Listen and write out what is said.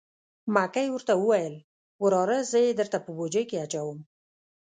مکۍ ورته وویل: وراره زه یې درته په بوجۍ کې اچوم.